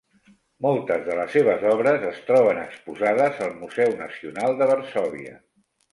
Moltes de les seves obres es troben exposades al Museu Nacional de Varsòvia.